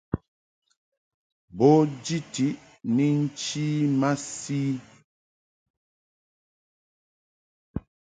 Bo jiti ni nchi masi.